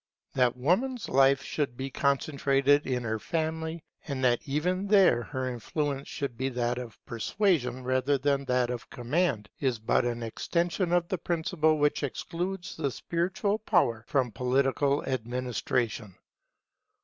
That Woman's life should be concentrated in her family, and that even there her influence should be that of persuasion rather than that of command, is but an extension of the principle which excludes the spiritual power from political administration.